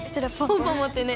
ポンポンもってね。